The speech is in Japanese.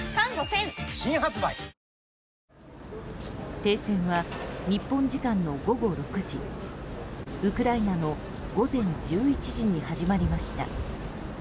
停戦は、日本時間の午後６時ウクライナの午前１１時に始まりました。